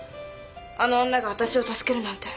あの女がわたしを助けるなんて。